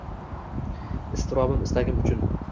Iztirobim-istagim uchun